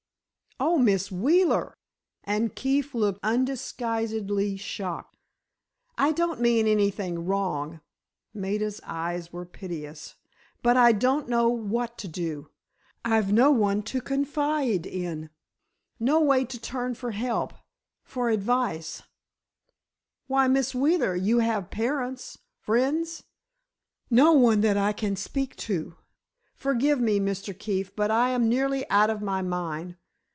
"Oh, Miss Wheeler," and Keefe looked undisguisedly shocked. "I don't mean anything wrong," Maida's eyes were piteous, "but I don't know what to do! I've no one to confide in—no way to turn for help—for advice——" "Why, Miss Wheeler, you have parents, friends——" "No one that I can speak to! Forgive me, Mr. Keefe, but I am nearly out of my mind.